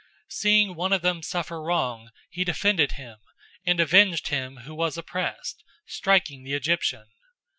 007:024 Seeing one of them suffer wrong, he defended him, and avenged him who was oppressed, striking the Egyptian.